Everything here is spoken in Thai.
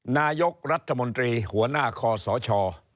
นายกรัฐมนตรีหัวหน้าคอสช